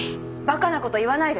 バカなこと言わないで！